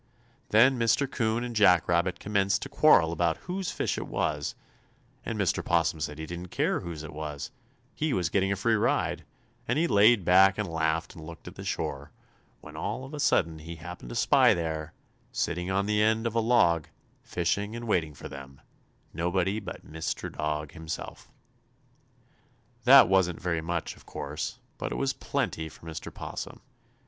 Then Mr. 'Coon and Jack Rabbit commenced to quarrel about whose fish it was, and Mr. 'Possum said he didn't care whose it was, he was getting a free ride, and he laid back and laughed and looked at the shore, when all of a sudden he happened to spy there, sitting on the end of a log, fishing and waiting for them, nobody but Mr. Dog himself. That wasn't very much, of course, but it was plenty for Mr. 'Possum.